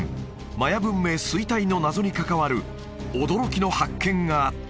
マヤ文明衰退の謎に関わる驚きの発見があった